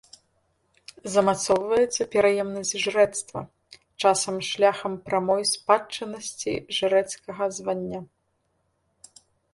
Замацоўваецца пераемнасць жрэцтва, часам шляхам прамой спадчыннасці жрэцкага звання.